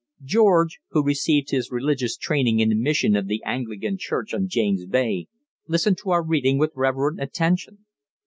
George, who received his religious training in a mission of the Anglican Church on James Bay, listened to our reading with reverent attention.